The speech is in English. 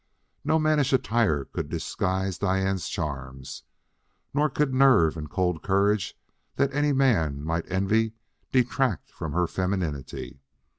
No mannish attire could disguise Diane's charms; nor could nerve and cold courage that any man might envy detract from her femininity.